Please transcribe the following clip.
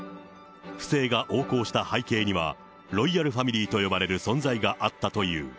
不正が横行した背景には、ロイヤルファミリーと呼ばれる存在があったという。